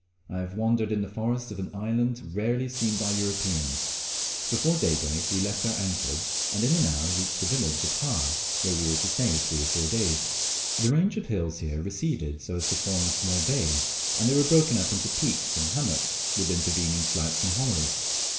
I have wandered in the forests of an island rarely seen by Europeans. Before daybreak we left our anchorage, and in an hour reached the village of Har, where we were to stay three or four days. The range of hills here receded so as to form a small bay, and they were broken up into peaks and hummocks with intervening flats and hollows.